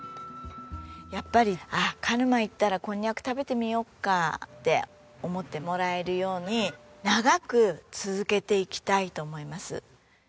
やっぱり鹿沼行ったらこんにゃく食べてみよっかって思ってもらえるように長く続けていきたいと思います。